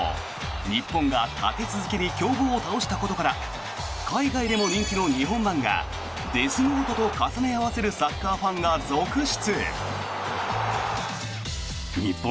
日本が立て続けに強豪を倒したことから海外でも人気の日本漫画「ＤＥＡＴＨＮＯＴＥ」と重ね合わせるサッカーファンが続出。